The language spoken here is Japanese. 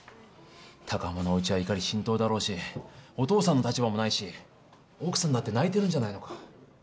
高浜のおうちは怒り心頭だろうしお父さんの立場もないし奥さんだって泣いてるんじゃないのか？